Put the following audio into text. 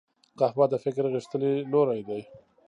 قهوه د فکر غښتلي لوری دی